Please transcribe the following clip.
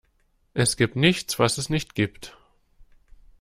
Es gibt nichts, was es nicht gibt.